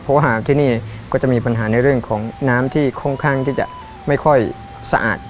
เพราะว่าหากที่นี่ก็จะมีปัญหาในเรื่องของน้ำที่ค่อนข้างที่จะไม่ค่อยสะอาด